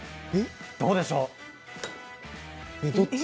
どうでしょう？